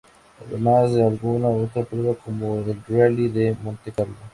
A, además de alguna otra prueba como el Rally de Montecarlo.